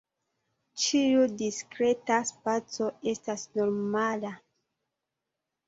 Ĉiu diskreta spaco estas normala.